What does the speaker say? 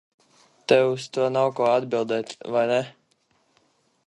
Tev uz to nav ko atbildēt, vai ne?